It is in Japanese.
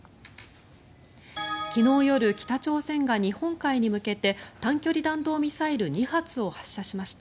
昨日夜、北朝鮮が日本海に向けて短距離弾道ミサイル２発を発射しました。